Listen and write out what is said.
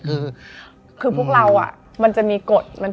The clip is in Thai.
คือพวกเรามันจะมีกฎ